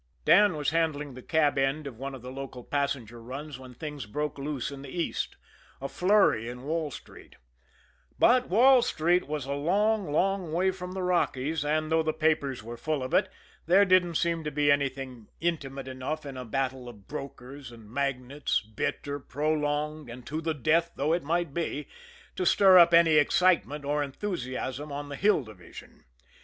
Dan was handling the cab end of one of the local passenger runs when things broke loose in the East a flurry in Wall Street. But Wall Street was a long, long way from the Rockies, and, though the papers were full of it, there didn't seem to be anything intimate enough in a battle of brokers and magnates, bitter, prolonged, and to the death though it might be, to stir up any excitement or enthusiasm on the Hill Division.